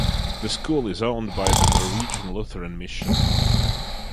The school is owned by the Norwegian Lutheran Mission.